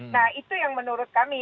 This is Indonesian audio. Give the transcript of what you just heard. nah itu yang menurut kami